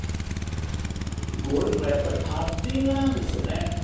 ゴルフはやっぱりパッティングなんですよね。